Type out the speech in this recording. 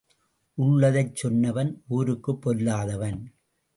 உள்ளதைச் சொன்னவன் ஊருக்குப் பொல்லாதவன்.